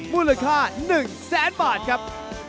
มูลค่า๑๐๐๐๐๐บาทครับ